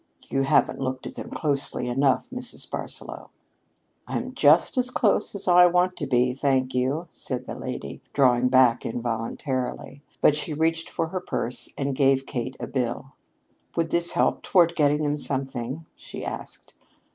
You haven't looked at them closely enough, Mrs. Barsaloux." "I'm just as close to them as I want to be, thank you," said the lady, drawing back involuntarily. But she reached for her purse and gave Kate a bill. "Would this help toward getting them something?" she asked.